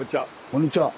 こんにちは。